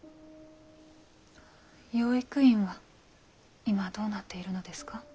養育院は今どうなっているのですか？